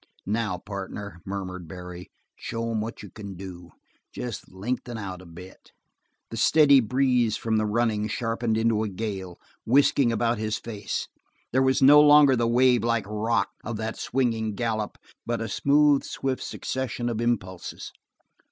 "Now, partner," murmured Barry, "show 'em what you can do! Jest lengthen out a bit." The steady breeze from the running sharpened into a gale, whisking about his face; there was no longer the wave like rock of that swinging gallup but a smooth, swift succession of impulses.